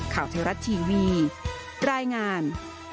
ข่าวเทวรัตน์ทีวีรายงาน